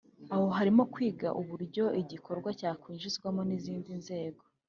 aho harimo kwigwa uburyo icyo gikorwa cyakwinjizwamo n’izindi nzego